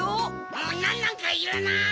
もうナンなんかいらない！